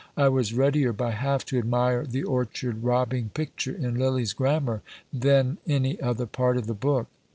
I was readier by half to admire the _orcherd robbing picture _in Lillie's grammar, then any other part of the book.